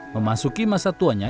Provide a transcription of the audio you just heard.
memasuki masa tuanya